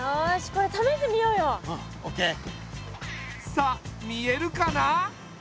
さあ見えるかな？